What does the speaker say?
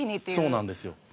そうなんですよ。